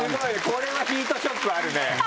これはヒートショックあるね！